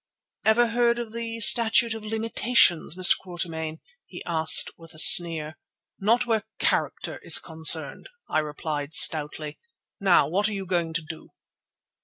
"Ever heard of the Statute of Limitations, Mr. Quatermain?" he asked with a sneer. "Not where character is concerned," I replied stoutly. "Now, what are you going to do?"